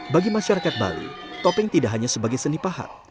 bagi masyarakat bali topeng tidak hanya sebagai seni pahat